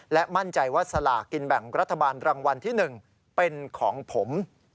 และมั่นใจว่าสลากกินแบ่งรัฐบาลรางวัลที่๑เป็นของผม